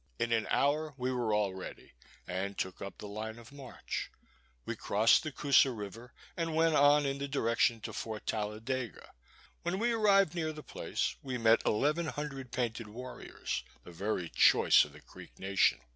In an hour we were all ready, and took up the line of march. We crossed the Coosa river, and went on in the direction to Fort Taladega. When we arrived near the place, we met eleven hundred painted warriors, the very choice of the Creek nation.